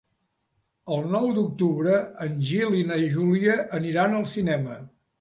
El nou d'octubre en Gil i na Júlia aniran al cinema.